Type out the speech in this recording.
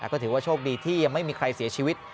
ก็ถือว่าโชคดีที่ยังไม่มีใครเสียชีวิต